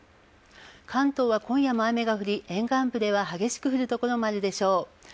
関東は今夜も雨が降り、沿岸部は激しく降る所もあるでしょう。